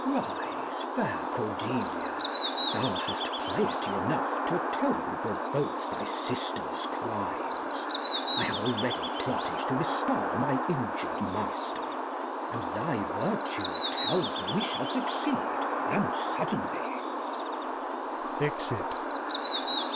Glost. Rise, fair Cordelia, thou hast Piety Enough t'attone for both thy Sisters Crimes. I have already plotted to restore My injur'd Master, and thy Vertue teUs me We shall succeed, and suddenly.